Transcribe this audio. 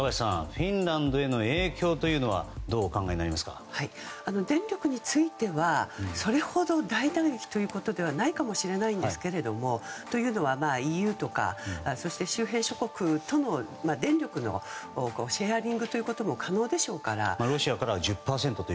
フィンランドへの影響は電力についてはそれほど、大打撃とはいえないかもしれないんですがというのは、ＥＵとかそして周辺諸国との電力のシェアリングも可能でしょうから。